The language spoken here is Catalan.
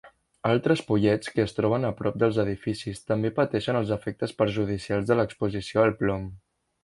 Altres pollets que es troben a prop dels edificis també pateixen els efectes perjudicials de l'exposició al plom.